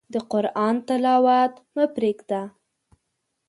د قرآن تلاوت مه پرېږده.